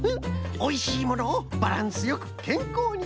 おいしいものをバランスよくけんこうに！